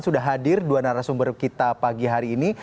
sudah hadir dua narasumber kita pagi hari ini